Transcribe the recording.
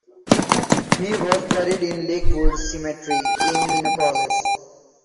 He was buried in Lakewood Cemetery in Minneapolis.